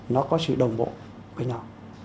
nó có sự đồng bộ với nhau